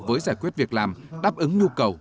với giải quyết việc làm đáp ứng nhu cầu